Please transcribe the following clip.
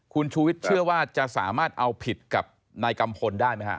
คุณชูวิทย์เชื่อว่าจะสามารถเอาผิดกับนายกัมพลได้ไหมฮะ